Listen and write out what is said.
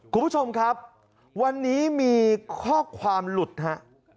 คุณผู้ชมครับวันนี้มีข้อความหลุดครับ